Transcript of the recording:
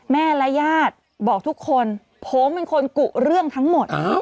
แม่และญาติบอกทุกคนผมเป็นคนกุเรื่องทั้งหมด